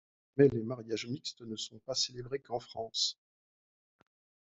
Mais les mariages mixtes ne sont pas célébrés qu'en France.